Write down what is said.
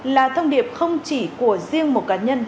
là thông điệp không chỉ của riêng một cá nhân